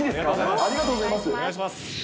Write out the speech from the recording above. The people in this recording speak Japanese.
ありがとうございます。